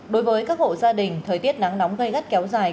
đối với các hộ gia đình thời tiết nắng nóng gây gắt kéo dài